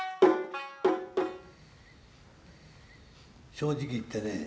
正直言ってね